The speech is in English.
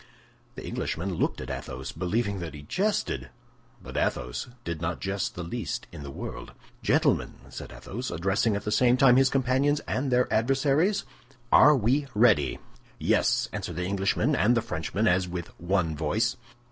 The Englishman looked at Athos, believing that he jested, but Athos did not jest the least in the world. "Gentlemen," said Athos, addressing at the same time his companions and their adversaries, "are we ready?" "Yes!" answered the Englishmen and the Frenchmen, as with one voice.